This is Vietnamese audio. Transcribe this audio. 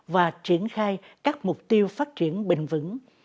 và triển khai các mục tiêu phát triển bình vững